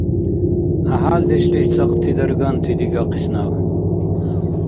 ГӀяхӀялдешлис цӀакьти дарганти дигахъис наб